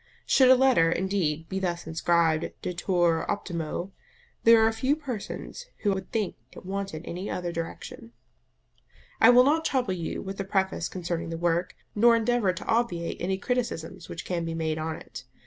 Should a letter, indeed, be thus inscribed, DETUR OPTIMO, there are few persons who would think it wanted any other direction. I will not trouble you with a preface concerning the work, nor endeavour to obviate any criticisms which can be made on it.